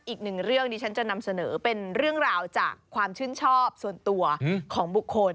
อีกหนึ่งเรื่องที่ฉันจะนำเสนอเป็นเรื่องราวจากความชื่นชอบส่วนตัวของบุคคล